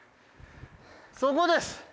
そこです。